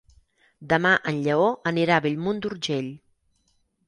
Demà en Lleó anirà a Bellmunt d'Urgell.